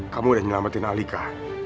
kamu udah nyelamatin alika